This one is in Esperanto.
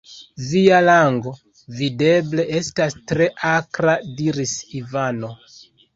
Via lango, videble, estas tre akra, diris Ivano.